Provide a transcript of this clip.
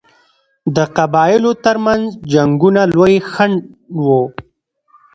د قبایلو ترمنځ جنګونه لوی خنډ وو.